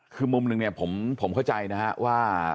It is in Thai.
คือมุมหนึ่งเนี่ยผมเข้าใจนะฮะว่า